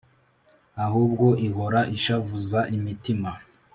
ahubwo ihora ishavuza imitima